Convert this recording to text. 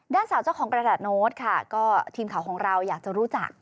ด้านสาวเจ้าของกระดาษโน้ตค่ะก็ทีมข่าวของเราอยากจะรู้จัก